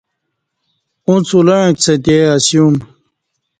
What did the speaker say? اݩڅ اُلݩع کڅہ تے اسیوم